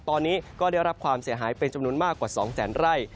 ตอนนี้ก็ได้รับความเสียหายเป็นจำนวนมากกว่า๒แสนไร่